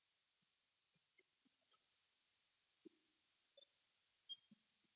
au muathirika au ndugu zao hawataki kufungua mashtaka